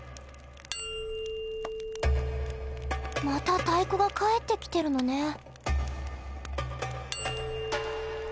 また太鼓が返ってきてるのね。